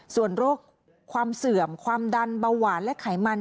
ส่วนโรคความเสื่อมความดันเบาหวานและไขมัน